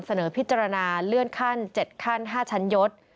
เสนอพิจารณาเลื่อนขั้น๗ขั้น๕ชั้นยศ